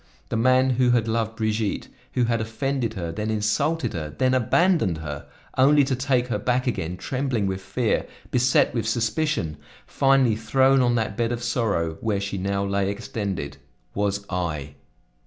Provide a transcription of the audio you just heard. The man who had loved Brigitte, who had offended her, then insulted her, then abandoned her, only to take her back again, trembling with fear, beset with suspicion, finally thrown on that bed of sorrow, where she now lay extended, was I!"